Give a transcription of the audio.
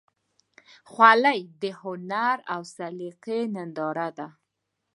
خولۍ د هنر او سلیقې ننداره ده.